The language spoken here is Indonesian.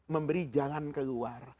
memberi jalan keluar